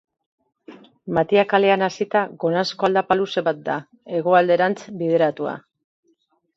Matia kalean hasita, goranzko aldapa luze bat da, hegoalderantz bideratua.